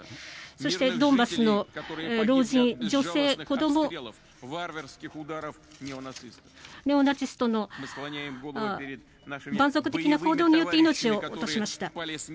そして、ドンバスの老人、女性、子供ネオナチとの蛮族的な行動によって命を落としました。